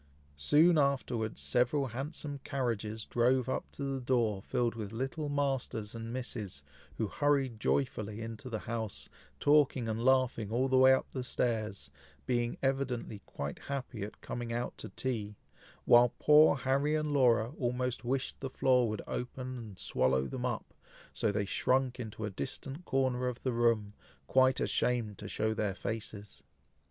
Soon afterwards, several handsome carriages drove up to the door filled with little Masters and Misses, who hurried joyfully into the house, talking and laughing all the way up stairs, being evidently quite happy at coming out to tea, while poor Harry and Laura almost wished the floor would open and swallow them up, so they shrunk into a distant corner of the room, quite ashamed to show their faces.